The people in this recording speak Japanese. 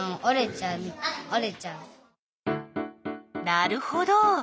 なるほど。